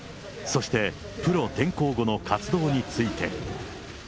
そして、プロ転向後の活動について。